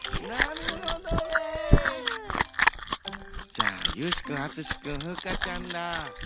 じゃあゆうしくん・あつしくん・ふうかちゃんら。